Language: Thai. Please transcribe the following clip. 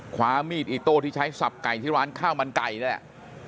ความมีดอิโต้ที่ใช้สับไก่ที่ร้านข้าวมันไก่นั่นแหละ